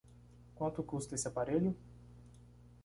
Quanto custa esse aparelho?